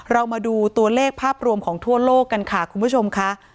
เรามาดูตัวเลขภาพรวมของทั่วโลกกันค่ะคุณผู้ชมค่ะ